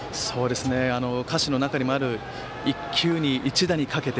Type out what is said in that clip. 歌詞の中にもある「一球に一打にかけて」。